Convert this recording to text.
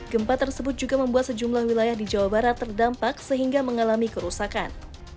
gempa tersebut juga membuat sejumlah wilayah di jawa barat terdampak sehingga mengalami kerusakan